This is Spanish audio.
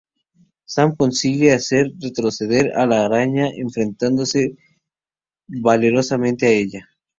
Sam consigue hacer retroceder a la araña, enfrentándose valerosamente a ella.